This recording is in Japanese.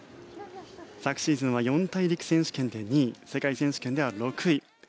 昨シーズンは四大陸選手権で２位世界選手権では６位。